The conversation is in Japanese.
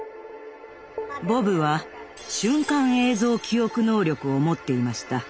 ボブは瞬間映像記憶能力を持っていました。